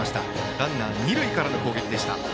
ランナー、二塁からの攻撃でした。